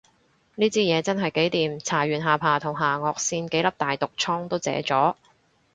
呢支嘢真係幾掂，搽完下巴同下頷線幾粒大毒瘡都謝咗